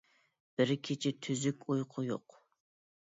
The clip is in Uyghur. بىر كېچە تۈزۈك ئۇيقۇ يوق.